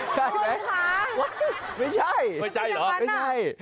ใช่ไหมไม่ใช่ไม่ใช่เหรอ